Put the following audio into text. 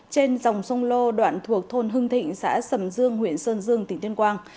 trên dòng sông lô đoạn thuộc thôn hưng thịnh xã sầm dương huyện sơn dương tỉnh tuyên quang